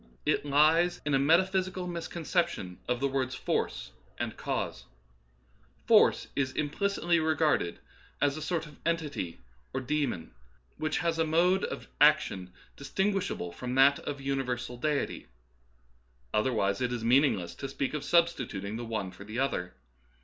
It lies in a metaphysical miscon ception of the words " force " and " cause," " Force " is implicitly regarded as a sort of en tity or daemon which has a mode of action distin guishable from that of universal Deity ; other wise it is meaningless to speak of substituting the one for the other.